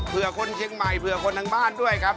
คนเชียงใหม่เผื่อคนทางบ้านด้วยครับ